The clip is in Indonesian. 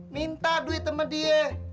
minta duit sama dia